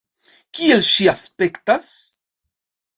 Kiel ŝi aspektas?